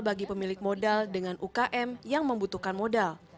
bagi pemilik modal dengan ukm yang membutuhkan modal